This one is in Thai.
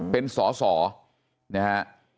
เป็นสอสอนะฮะ